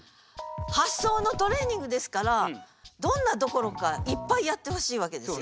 発想のトレーニングですから「どんな」どころかいっぱいやってほしいわけですよ。